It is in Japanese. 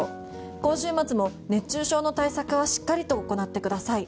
今週末も熱中症の対策はしっかりと行ってください。